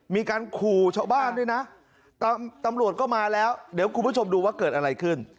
มีการขู่ชาวบ้านด้วยนะตำรวจก็มาแล้วเดี๋ยวคุณผู้ชมดูว่าเกิดอะไรขึ้น